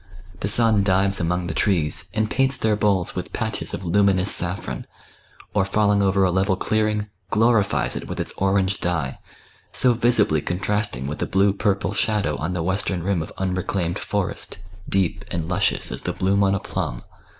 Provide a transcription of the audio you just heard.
The sun dives among Ihe trees, and paints their boles with patches of luminous saflFron, or falling over a level clearing, glorifies it with its orange dye, so visibly contrasting with the blue purple shadow on the western rim of unreclaimed forest, deep and luscious as the bloom on a plum.